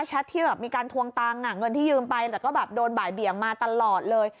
แชทที่มีการถ่วงเงินที่ยืมไปแบบโดนบ่ายเบียงมาตลอดเลย